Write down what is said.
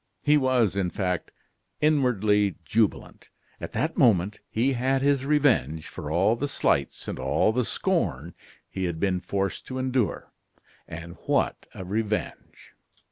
He was, in fact, inwardly jubilant. At that moment he had his revenge for all the slights and all the scorn he had been forced to endure. And what a revenge!